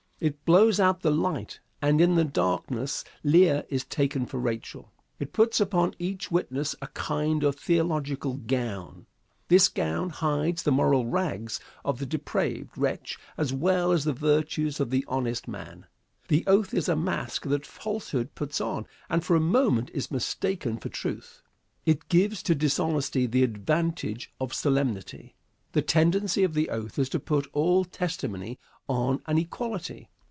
It blows out the light, and in the darkness Leah is taken for Rachel. It puts upon each witness a kind of theological gown. This gown hides the moral rags of the depraved wretch as well as the virtues of the honest man. The oath is a mask that falsehood puts on, and for a moment is mistaken for truth. It gives to dishonesty the advantage of solemnity. The tendency of the oath is to put all testimony on an equality.